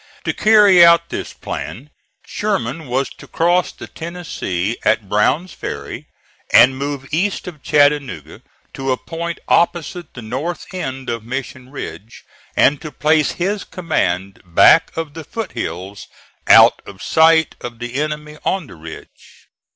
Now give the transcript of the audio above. To carry out this plan, Sherman was to cross the Tennessee at Brown's Ferry and move east of Chattanooga to a point opposite the north end of Mission Ridge, and to place his command back of the foot hills out of sight of the enemy on the ridge.